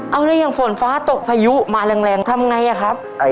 เอาแล้วอย่างฝนฟ้าตกพายุมาแรงทำไงอะครับ